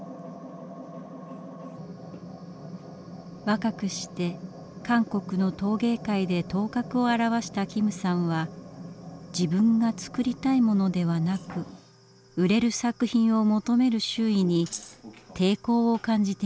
若くして韓国の陶芸界で頭角を現した金さんは自分が作りたいものではなく売れる作品を求める周囲に抵抗を感じていました。